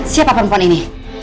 siapa perempuan ini